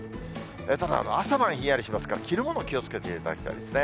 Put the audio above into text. ただ、朝晩ひんやりしますから、着るもの、気をつけていただきたいですね。